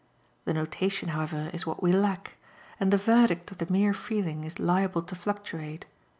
The notation, however, is what we lack, and the verdict of the mere feeling is liable to fluctuate.